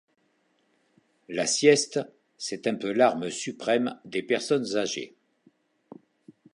La sieste, c’est un peu l’arme suprême des personnes âgées.